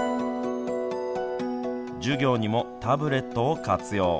授業にもタブレットを活用。